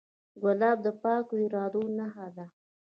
ګلاب د پاکو ارادو نښه ده.